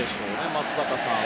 松坂さん